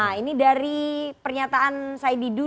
nah ini dari pernyataan said didu